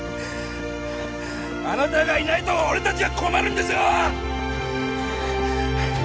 あなたがいないと俺達は困るんですよ！